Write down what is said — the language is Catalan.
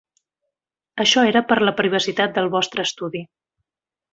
Això era per la privacitat del vostre estudi.